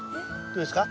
どれですか？